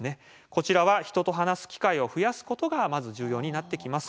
こちらは人と話す機会を増やすことがまず重要になってきます。